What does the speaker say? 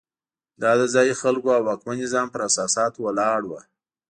دا د ځايي خلکو او واکمن نظام پر اساساتو ولاړ وو.